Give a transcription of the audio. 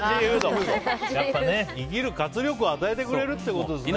やっぱり生きる活力を与えてくれるってことですね。